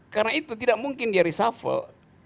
karena itu tidak mungkin dia risalvel